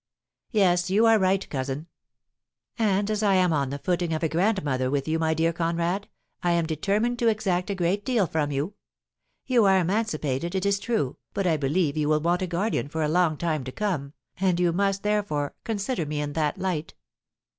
"Yes, you are right, cousin." "And as I am on the footing of a grandmother with you, my dear Conrad, I am determined to exact a great deal from you. You are emancipated, it is true, but I believe you will want a guardian for a long time to come, and you must, therefore, consider me in that light."